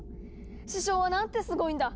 師匠はなんてすごいんだ！